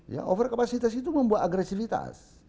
ya over kapasitas itu membuat agresivitas